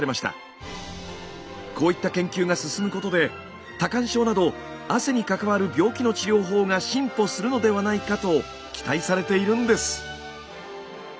こういった研究が進むことで多汗症など汗に関わる病気の治療法が進歩するのではないかと期待されているんです。